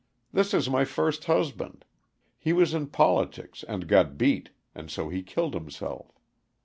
This is my first husband. He was in politics and got beat, and so he killed himself.